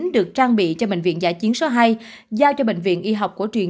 được trang bị cho bệnh viện giả chiến số hai giao cho bệnh viện y học cổ truyền